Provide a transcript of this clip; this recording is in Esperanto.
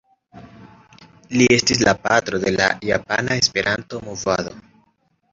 Li estis la patro de la Japana Esperanto-movado.